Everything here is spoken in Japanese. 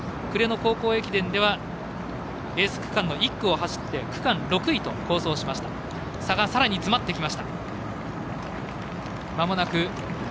暮れの高校駅伝ではエース区間の１区を走って区間６位と好走しました。